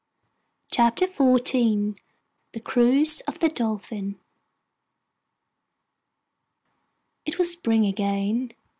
Chapter Fourteen The Cruise of the Dolphin It was spring again.